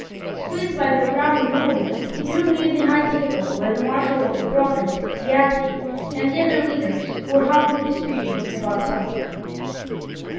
Squeezed by the crowding noblemen, he drew near the high table where the marshal of the province, Sviazhsky, and the other leaders were hotly disputing about something.